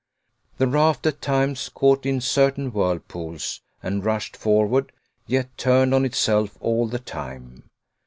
The raft, at times, caught in certain whirlpools, and rushed forward, yet turned on itself all the time.